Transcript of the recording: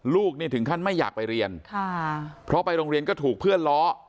ลูกนี่ถึงขั้นไม่อยากไปเรียนค่ะเพราะไปโรงเรียนก็ถูกเพื่อนล้อ